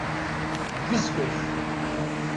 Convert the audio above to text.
Ggezgez.